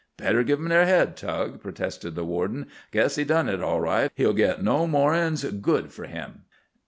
"Better give 'em their head, Tug," protested the warden. "Guess he done it all right. He'll git no more'n's good for him."